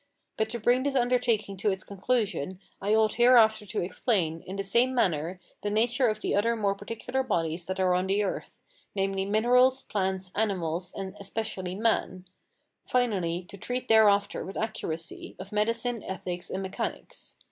But to bring this undertaking to its conclusion, I ought hereafter to explain, in the same manner, the nature of the other more particular bodies that are on the earth, namely, minerals, plants, animals, and especially man; finally, to treat thereafter with accuracy of Medicine, Ethics, and Mechanics.